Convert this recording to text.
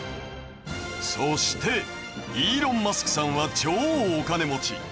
そしてイーロン・マスクさんは超お金持ち！